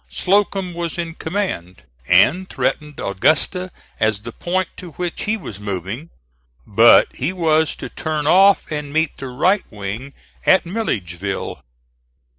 Slocum was in command, and threatened Augusta as the point to which he was moving, but he was to turn off and meet the right wing at Milledgeville.